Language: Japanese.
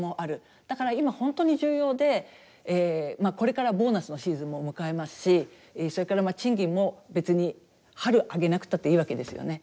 だから今本当に重要でこれからボーナスのシーズンも迎えますしそれから賃金も別に春上げなくたっていいわけですよね。